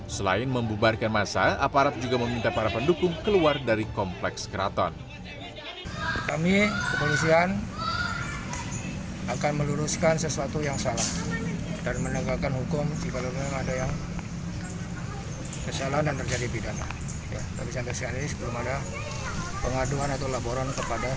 selain membubarkan masa aparat juga meminta para pendukung keluar dari kompleks keraton